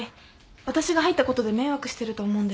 私が入ったことで迷惑してると思うんです。